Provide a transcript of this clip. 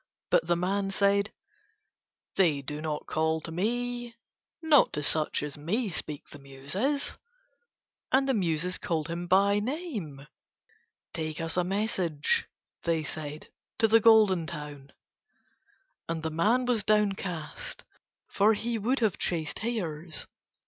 But the man said: "They do not call to me. Not to such as me speak the Muses." And the Muses called him by name. "Take us a message," they said, "to the Golden Town." And the man was downcast for he would have chased hares.